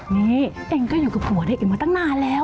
นี่เองก็อยู่กับผัวได้เองมาตั้งนานแล้ว